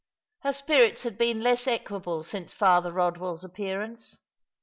Her spirits had been less equable since Father Eodwell's appearance.